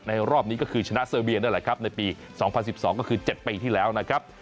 รอบนี้ก็คือชนะเซอร์เบียนั่นแหละครับในปี๒๐๑๒ก็คือ๗ปีที่แล้วนะครับ